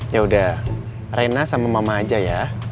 ya udah rena sama mama aja ya